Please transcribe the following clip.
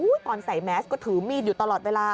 ตอนใส่แมสก็ถือมีดอยู่ตลอดเวลา